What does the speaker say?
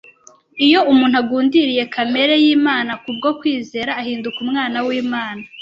Iyo umuntu agundiriye kamere y’Imana ku bwo kwizera, ahinduka umwana w’Imana.